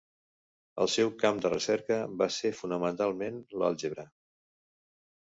El seu camp de recerca va ser fonamentalment l'àlgebra.